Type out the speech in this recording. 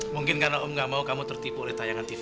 mungkin karena om gak mau kamu tertipu oleh tayangan tv